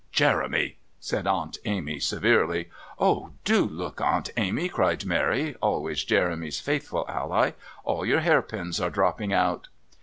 "Jeremy!" said Aunt Amy severely. "Oh, do look, Aunt Amy!" cried Mary, always Jeremy's faithful ally, "all your hairpins are dropping out!"